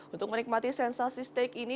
untuk menikmati sensasi steak ini